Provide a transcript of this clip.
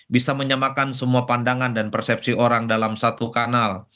bisa menyamakan semua pandangan dan persepsi orang dalam satu kanal